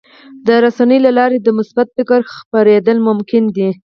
د رسنیو له لارې د مثبت فکر خپرېدل ممکن دي.